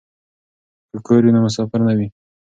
که کور وي نو مسافري نه وي.